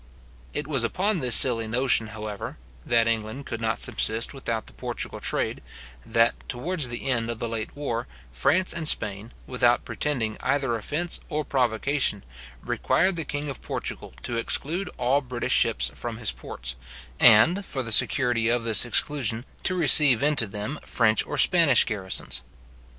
It was upon this silly notion, however, that England could not subsist without the Portugal trade, that, towards the end of the late war, France and Spain, without pretending either offence or provocation, required the king of Portugal to exclude all British ships from his ports, and, for the security of this exclusion, to receive into them French or Spanish garrisons.